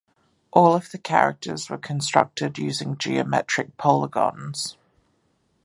All of the characters were constructed using geometric polygons.